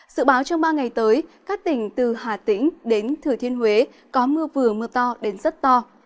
sự báo trong ba ngày tới các tỉnh từ hà tĩnh đến thừa thiên huế có mưa vừa mưa to đến rất to